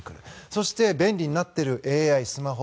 そして、便利になっているＡＩ、スマホ。